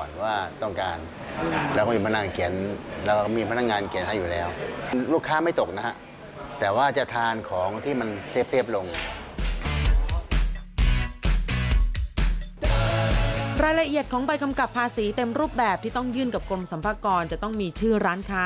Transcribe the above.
รายละเอียดของใบกำกับภาษีเต็มรูปแบบที่ต้องยื่นกับกรมสัมภากรจะต้องมีชื่อร้านค้า